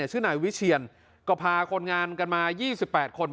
ชื่อหน่ายวิเชียนก็พาคนงานกันมายี่สิบแปดคน